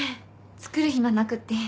作る暇なくて。